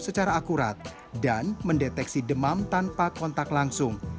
secara akurat dan mendeteksi demam tanpa kontak langsung